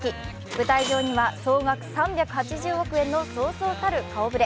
舞台上には総額３８０億円のそうそうたる顔ぶれ。